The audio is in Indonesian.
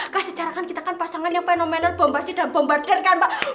kan secara kan kita kan pasangan yang fenomenal bombasi dan bombarder kan pak